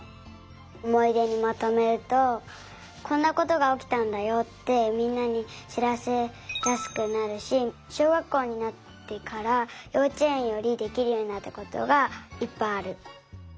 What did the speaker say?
おもいでにまとめるとこんなことがおきたんだよってみんなにしらせやすくなるししょうがっこうになってからようちえんよりできるようになったことがいっぱいある。